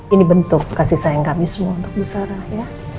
ini bentuk kasih sayang kami semua untuk busara ya